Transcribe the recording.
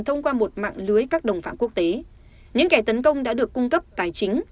thông qua một mạng lưới các đồng phạm quốc tế những kẻ tấn công đã được cung cấp tài chính